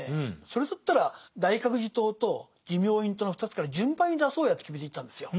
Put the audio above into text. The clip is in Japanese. それだったら大覚寺統と持明院統の２つから順番に出そうやって決めていったんですよ。